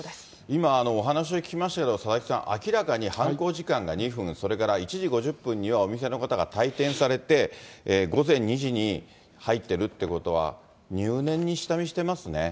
今、お話を聞きましたけど、佐々木さん、明らかに犯行時間が２分、それから１時５０分にはお店の方が退店されて、午前２時に入ってるってことは、入念に下見してますね。